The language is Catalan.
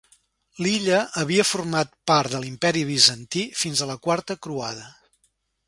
L'illa havia format part de l'Imperi Bizantí fins a la Quarta croada.